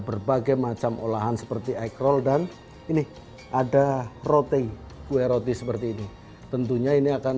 berbagai macam olahan seperti ekrol dan ini ada roti kue roti seperti ini tentunya ini akan